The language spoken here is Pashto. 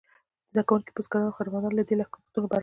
زده کوونکي، بزګران او هنرمندان له دې لګښتونو برخه اخلي.